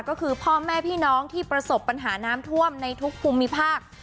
ก็คือพ่อแม่พี่น้องที่ประสบปัญหาน้ำท่วมในทุกภูมิภาค